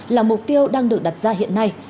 là mục tiêu đang được đặt ra hiện nay